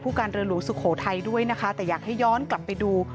การเรือหลวงสุโขทัยด้วยนะคะแต่อยากให้ย้อนกลับไปดู